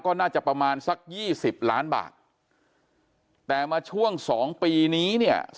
ก็น่าจะประมาณสักยี่สิบล้านบาทแต่มาช่วงสองปีนี้เนี่ย